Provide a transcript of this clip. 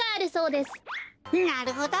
なるほど。